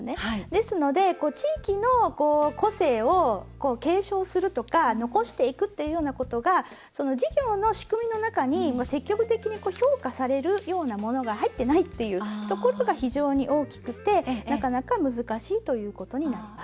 ですので地域の個性を継承するとか残していくってことが、事業の仕組みの中に積極的に評価されるものが入っていないというところが非常に大きくてなかなか難しいということになります。